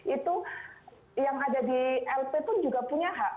itu yang ada di lp pun juga punya hak